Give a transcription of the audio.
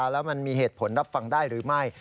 แล้วมันมีเหตุผลรับฟังได้หรือไม่